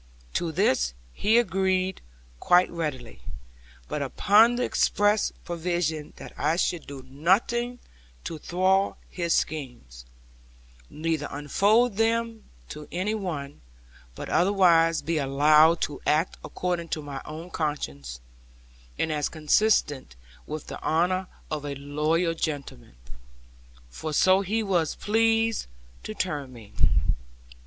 To this he agreed quite readily; but upon the express provision that I should do nothing to thwart his schemes, neither unfold them to any one; but otherwise be allowed to act according to my own conscience, and as consisted with the honour of a loyal gentleman for so he was pleased to term me.